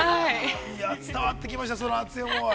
いや、伝わってきましたその熱い思い。